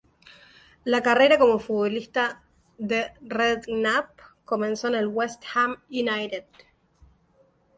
La carrera como futbolista de Redknapp comenzó en el West Ham United.